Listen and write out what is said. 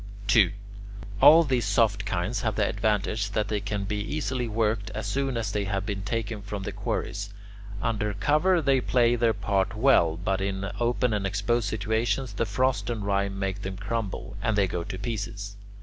2. All these soft kinds have the advantage that they can be easily worked as soon as they have been taken from the quarries. Under cover they play their part well; but in open and exposed situations the frost and rime make them crumble, and they go to pieces.